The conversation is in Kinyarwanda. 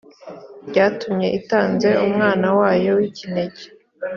byatumye itanze umwana wayo w’ikinege